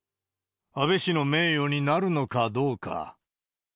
安倍氏の名誉になるのかどうか。